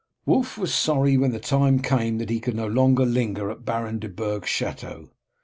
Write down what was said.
Wulf was sorry when the time came that he could no longer linger at Baron de Burg's chateau.